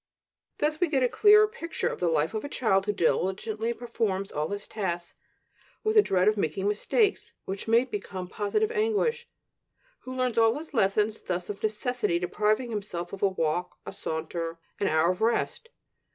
Thus we get a clearer picture of the life of a child who diligently performs all his tasks with a dread of making mistakes which may become positive anguish; who learns all his lessons, thus of necessity depriving himself of a walk, a saunter, an hour of rest.